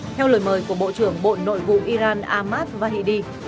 theo lời mời của bộ trưởng bộ nội vụ iran ahmad vahidi